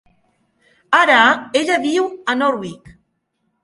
Ara ella viu a Norwich.